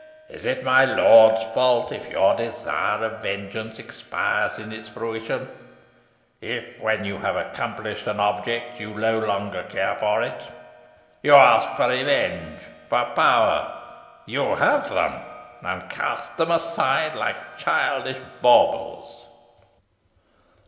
Is it my lord's fault if your desire of vengeance expires in its fruition if, when you have accomplished an object, you no longer care for it? You ask for revenge for power. You have them, and cast them aside like childish baubles!"